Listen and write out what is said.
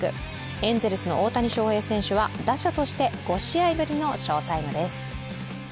エンゼルスの大谷翔平選手は打者として５試合ぶりの翔タイムです。